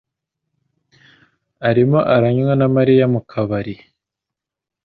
arimo aranywa na Mariya mu kabari.